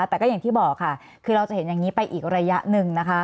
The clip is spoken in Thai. แต่ก็อย่างที่บอกค่ะคือเราจะเห็นอย่างนี้ไปอีกระยะหนึ่งนะคะ